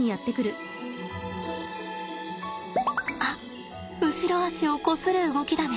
あっ後ろ足をこする動きだね。